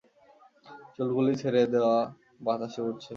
চুলগুলি ছেড়ে দেওয়া, বাতাসে উড়ছে।